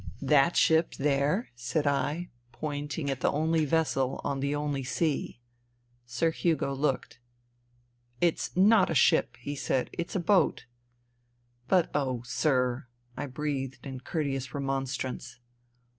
" That ship there,'' said I, pointing at the only vessel on the only sea. Sir Hugo looked. " It's not a ship," he said. " It*s a boat.'* " But, oh ! sir," I breathed in courteous remon strance.